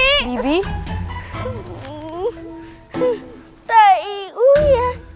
kekasih mereka itu merupakan ''golyphs''